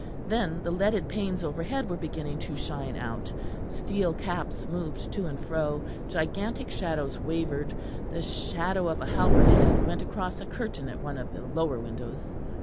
Then the leaded panes overhead were beginning to shine out. Steel caps moved to and fro; gigantic shadows wavered; the shadow of a halberd head went across a curtain at one of the lower windows.